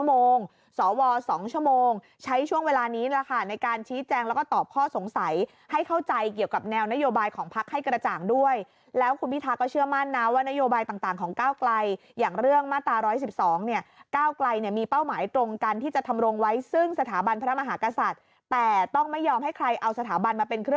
สว๒ชั่วโมงใช้ช่วงเวลานี้แหละค่ะในการชี้แจงแล้วก็ตอบข้อสงสัยให้เข้าใจเกี่ยวกับแนวนโยบายของพักให้กระจ่างด้วยแล้วคุณพิทาก็เชื่อมั่นนะว่านโยบายต่างของก้าวไกลอย่างเรื่องมาตรา๑๑๒เนี่ยก้าวไกลเนี่ยมีเป้าหมายตรงกันที่จะทำรงไว้ซึ่งสถาบันพระมหากษัตริย์แต่ต้องไม่ยอมให้ใครเอาสถาบันมาเป็นคร